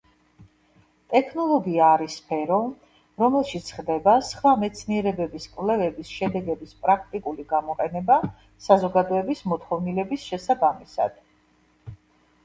ტექნოლოგია არის სფერო, რომელშიც ხდება სხვა მეცნიერებების კვლევების შედეგების პრაქტიკული გამოყენება საზოგადოების მოთხოვნილების შესაბამისად.